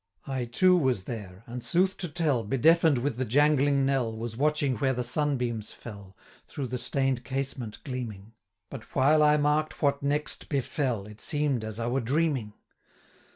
I too was there, and, sooth to tell, Bedeafen'd with the jangling knell, Was watching where the sunbeams fell, 320 Through the stain'd casement gleaming; But, while I mark'd what next befell, It seem'd as I were dreaming.